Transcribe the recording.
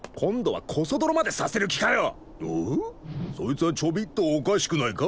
そいつはちょびっとおかしくないか？